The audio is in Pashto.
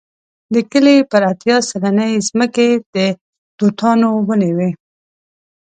د کلي پر اتیا سلنې ځمکې د توتانو ونې وې.